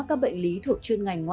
giảm tỷ lệ biến chứng sau mổ